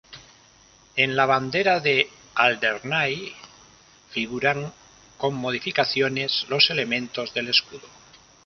En la bandera de Alderney figuran, con modificaciones, los elementos del escudo.